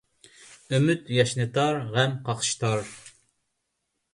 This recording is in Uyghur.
ئۈمۈد ياشنىتار، غەم قاقشىتار.